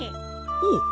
おっ！